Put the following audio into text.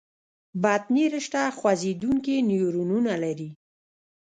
بطني رشته خوځېدونکي نیورونونه لري.